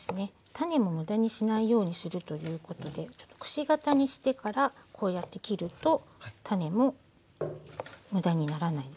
種も無駄にしないようにするということでちょっとくし形にしてからこうやって切ると種も無駄にならないですね。